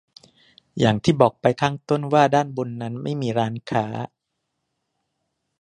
อย่างที่บอกไปข้างต้นว่าด้านบนนั้นไม่มีร้านค้า